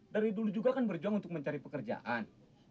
dari dulu juga kan berjuang untuk mencari pekerjaan